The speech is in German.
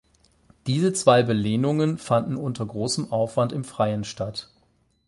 Diese zwei Belehnungen fanden unter großem Aufwand im Freien statt.